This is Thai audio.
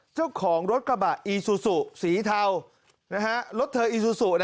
เจ้าของรถกระบะอีซูซูสีเทารถเธออีซูซู